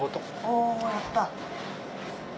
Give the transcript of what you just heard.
おぉやった。